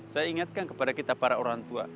saya ingatkan kepada kita para orang tua